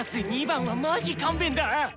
２番は魔ジ勘弁だ！